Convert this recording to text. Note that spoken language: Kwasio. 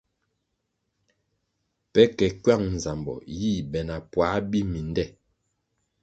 Pe ke kywang nzambo yih be na puãh biminde.